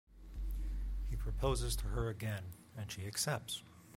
He proposes to her again and she accepts.